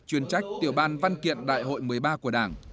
chuyên trách tiểu ban văn kiện đại hội một mươi ba của đảng